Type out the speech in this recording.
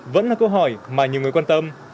vẫn là câu hỏi mà nhiều người quan tâm